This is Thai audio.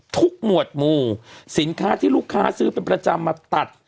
หมวดหมู่สินค้าที่ลูกค้าซื้อเป็นประจำมาตัด